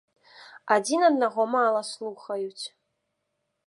Адзін аднаго мала слухаюць.